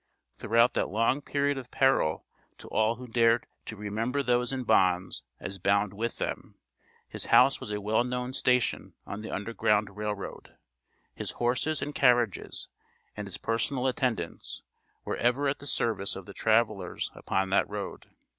Throughout that long period of peril to all who dared to "remember those in bonds as bound with them," his house was a well known station on the Underground Rail Road; his horses and carriages, and his personal attendance, were ever at the service of the travelers upon that road.